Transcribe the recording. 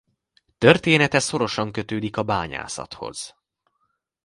Története szorosan kötődik a bányászathoz.